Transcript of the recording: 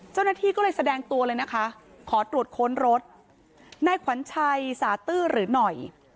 เจ้าหน้าที่ก็เลยแสดงตัวเลยนะคะขอตรวจค้นรถนายขวัญชัยสาตื้อหรือหน่อย